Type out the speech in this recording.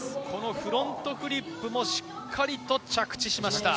フロントフリップもしっかり着地しました。